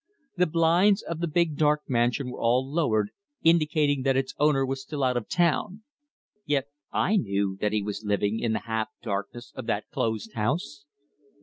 The blinds of the big dark mansion were all lowered, indicating that its owner was still out of town. Yet I knew that he was living in the half darkness of that closed house.